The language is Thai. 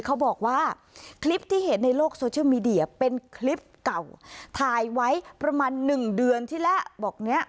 เขาบอกว่าคลิปที่เห็นในโลกโซเชียลมีเดียเป็นคลิปเก่าถ่ายไว้ประมาณหนึ่งเดือนที่แล้วบอกเนี้ย